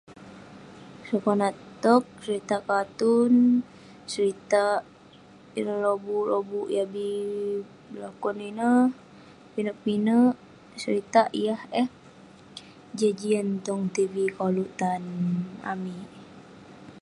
Konak tog seritak katun, seritak ireh lobuk lobuk yah bi belakon ineh, pinek pinek seritak yah eh jian jian tong tv koluk tan amik.